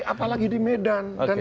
apalagi di medan